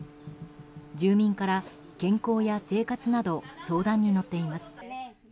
住民から、健康や生活など相談に乗っています。